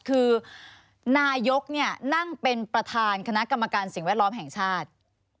คือนายกนั่งเป็นประธานคณะกรรมการสิ่งแวดล้อมแห่งชาติ